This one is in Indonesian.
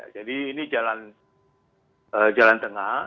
jadi ini jalan tengah